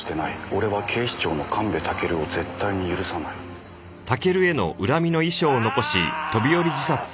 「俺は警視庁の神戸尊を絶対に許さない」ああーっ！